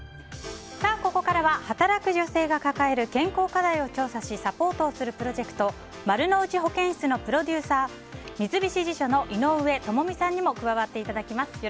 ここからは働く女性が抱える健康課題を調査しサポートをするプロジェクトまるのうち保健室のプロデューサー三菱地所の井上友美さんにも加わっていただきます。